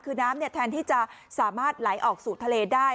คือน้ำแทนที่จะสามารถไหลออกสู่ทะเลได้